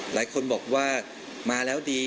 หลายคนบอกว่ามาแล้วดี